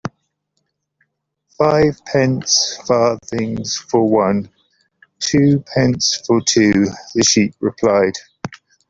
‘Fivepence farthing for one—Twopence for two,’ the Sheep replied.